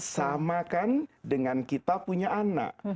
sama kan dengan kita punya anak